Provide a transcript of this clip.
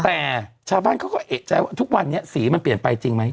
แต่ชาวบ้านเขาก็เอกใจว่าทุกวันนี้สีมันเปลี่ยนไปจริงไหม